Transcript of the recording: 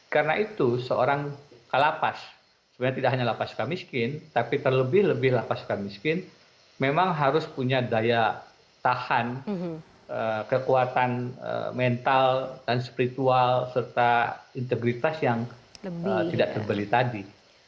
karena itu seorang kalapas sebenarnya tidak hanya lapas suka miskin tapi terlebih lebih lapas suka miskin memang harus punya daya tahan kekuatan mental dan spiritual serta integritas yang tidak terbeli tadi